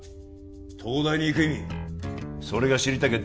東大に行く意味それが知りたきゃ